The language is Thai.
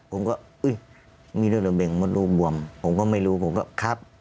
ผมก็มีเลือดระเบงมดลูกบวมผมก็ไม่รู้ผมก็ครับ